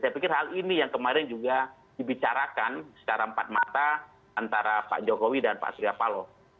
saya pikir hal ini yang kemarin juga dibicarakan secara empat mata antara pak jokowi dan pak surya paloh